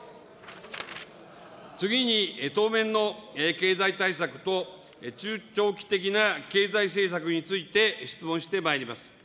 次に、当面の経済対策と中長期的な経済政策について質問してまいります。